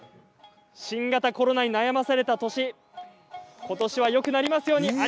新型コロナに悩まされた年ことしはよくなりますように。